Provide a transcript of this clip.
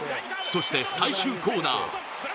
そして最終コーナー。